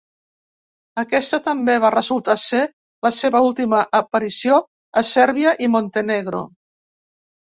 Aquesta també va resultar ser la seva última aparició a Sèrbia i Montenegro.